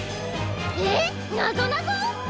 えっなぞなぞ！？